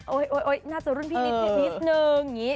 โอ๊ยน่าจะรุ่นพี่นิดพี่นิสนึงอย่างนี้